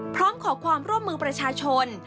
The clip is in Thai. พร้อมขอความร่วมมือประชาชน